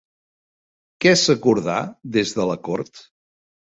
Què s'acordà des de la Cort?